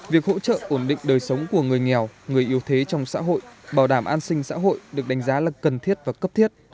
việc hỗ trợ ổn định đời sống của người nghèo người yếu thế trong xã hội bảo đảm an sinh xã hội được đánh giá là cần thiết và cấp thiết